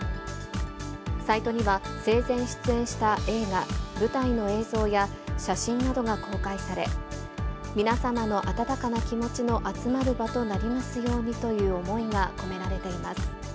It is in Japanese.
サイトには、生前出演した映画、舞台の映像や写真などが公開され、皆様の温かな気持ちの集まる場となりますようにという思いが込められています。